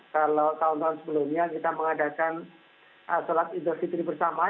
kalau tahun tahun sebelumnya kita mengadakan sholat idul fitri bersama